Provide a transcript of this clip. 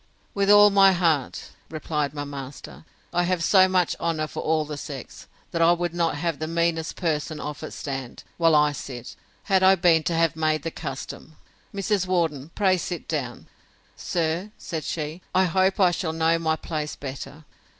With all my heart, replied my master; I have so much honour for all the sex, that I would not have the meanest person of it stand, while I sit, had I been to have made the custom. Mrs. Worden, pray sit down. Sir, said she, I hope I shall know my place better.